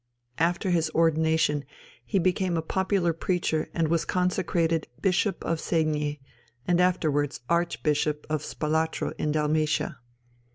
After his ordination he became a popular preacher and was consecrated Bishop of Segni, and afterwards Archbishop of Spalatro in Dalmatia.